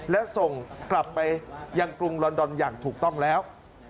และส่งกลับไปยังกรุงลอนดอนอย่างถูกต้องแล้ว